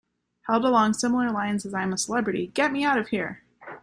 Held along similar lines as I'm a Celebrity... Get Me Out of Here!